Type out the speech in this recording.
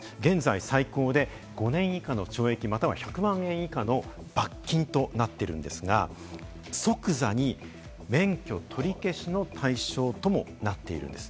現在、最高で５年以下の懲役または１００万円以下の罰金となってるんですが、即座に免許取り消しの対象ともなっているんです。